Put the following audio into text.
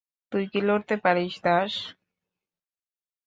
তুই কি লড়তে পারিস, দাস?